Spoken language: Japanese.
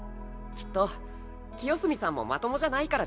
きっと清澄さんもまともじゃないからですよ。